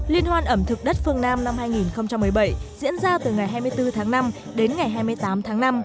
liên hoan ẩm thực đất phương nam năm hai nghìn một mươi bảy diễn ra từ ngày hai mươi bốn tháng năm đến ngày hai mươi tám tháng năm